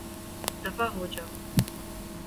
دفعہ ہو جائو